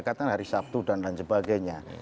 katakan hari sabtu dan lain sebagainya